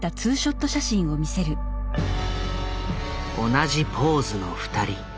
同じポーズの２人。